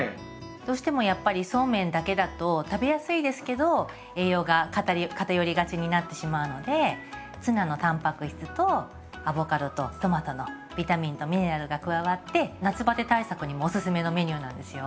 どうしてもやっぱりそうめんだけだと食べやすいですけど栄養が偏りがちになってしまうのでツナのタンパク質とアボカドとトマトのビタミンとミネラルが加わって夏バテ対策にもおすすめのメニューなんですよ。